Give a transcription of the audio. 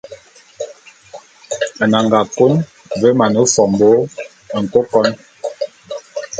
Nnanga kôn ve mane fombô nkôkon.